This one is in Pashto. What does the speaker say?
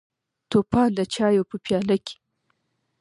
توپان د چایو په پیاله کې: